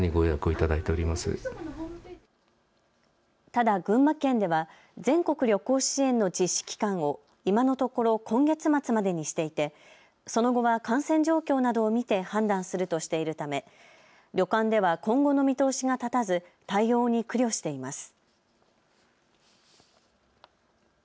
ただ群馬県では全国旅行支援の実施期間を今のところ今月末までにしていてその後は感染状況などを見て判断するとしているため旅館では今後の見通しが立たず対応に苦慮しています。